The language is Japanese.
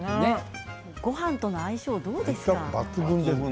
ごはんとの相性はどうですか。